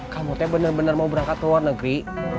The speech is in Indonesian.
kamu teh bener bener mau berangkat keluar negeri